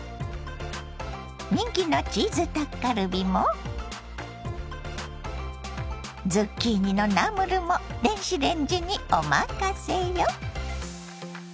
人気のチーズタッカルビもズッキーニのナムルも電子レンジにおまかせよ。